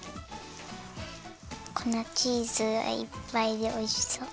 粉チーズがいっぱいでおいしそう。